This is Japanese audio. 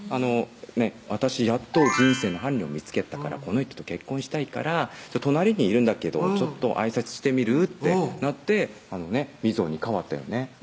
「私やっと人生の伴侶を見つけたからこの人と結婚したいから隣にいるんだけどちょっとあいさつしてみる？」ってなって瑞穂に替わったよね